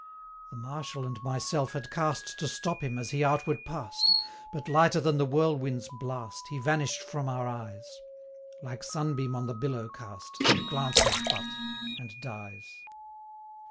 The Marshal and myself had cast To stop him as he outward pass'd; But, lighter than the whirlwind's blast, He vanish'd from our eyes, 360 Like sunbeam on the billow cast, That glances but, and dies.'